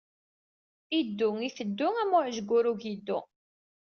Iddu itteddu am uɛejgur ugiddu.